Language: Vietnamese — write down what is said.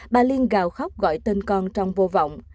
bà liên gào khóc gọi tên con trong vô vọng